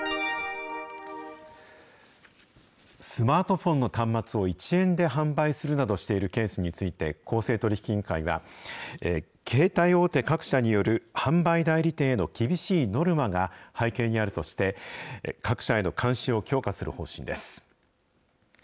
スマートフォンの端末を１円で販売するなどしているケースについて公正取引委員会は、携帯大手各社による販売代理店への厳しいノルマが背景にあるとして、各社への監視を強化する方針です。